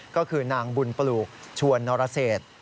ก็คือนางบุญปลูกชวนนรเศษ